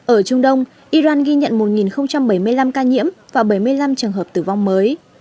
ở trung đông iran ghi nhận một bảy mươi năm ca nhiễm và bảy mươi năm trường hợp tử vong mới